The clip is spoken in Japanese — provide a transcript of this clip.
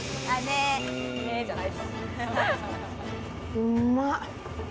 うまっ！